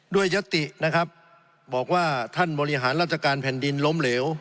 ยัตตินะครับบอกว่าท่านบริหารราชการแผ่นดินล้มเหลว